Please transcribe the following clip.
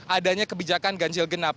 adanya kebijakan ganjil genap